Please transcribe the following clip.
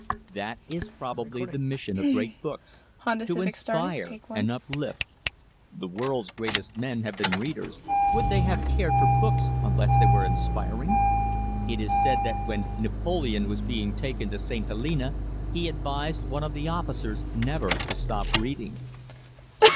That is probably the mission of great books to inspire and uplift. The world's greatest men have been readers would they have cared for books unless they were inspiring? It is said that when Napoleon was being taken to St. Helena he advised one of the officers never to stop reading.